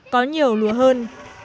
có nhiều lúa hơn